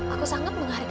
aku sangat menghargai itu